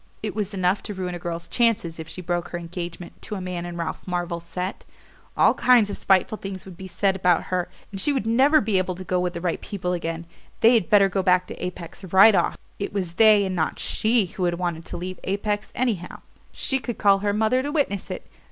It was enough to ruin a girl's chances if she broke her engagement to a man in Ralph Marvell's set. All kinds of spiteful things would be said about her, and she would never be able to go with the right people again. They had better go back to Apex right off it was they and not SHE who had wanted to leave Apex, anyhow she could call her mother to witness it.